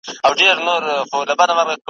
د ښار خلکو ته دا لویه تماشه سوه ,